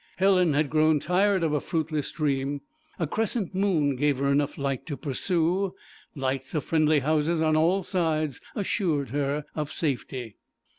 Helen had grown tired of a fruitless dream. A crescent moon gave her enough light to pursue; lights of friendly houses on all sides assured her of safety.